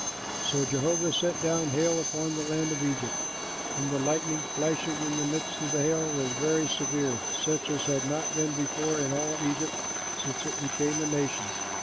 '" So Jehovah sent down hail upon the land of Egypt, and the lightning flashing in the midst of the hail was very severe, such as had not been before in all Egypt since it became a nation.